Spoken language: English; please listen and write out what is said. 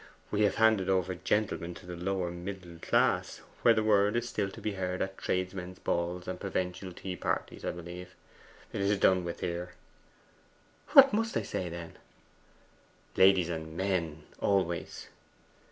'We have handed over "gentlemen" to the lower middle class, where the word is still to be heard at tradesmen's balls and provincial tea parties, I believe. It is done with here.' 'What must I say, then?' '"Ladies and MEN" always.